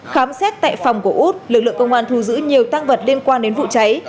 khám xét tại phòng của út lực lượng công an thu giữ nhiều tăng vật liên quan đến vụ cháy